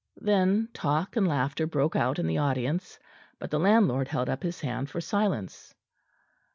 Then talk and laughter broke out in the audience; but the landlord held up his hand for silence.